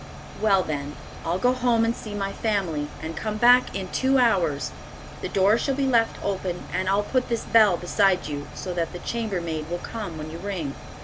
"Well, then, I'll go home and see my family, and come back in two hours. The door shall be left open, and I'll put this bell beside you, so that the chambermaid will come when you ring."